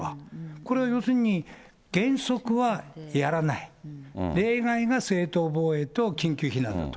これは要するに、原則はやらない、例外が正当防衛と緊急避難だと。